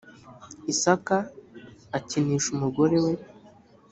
isaka akinisha umugore we